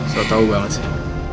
salah tau banget sih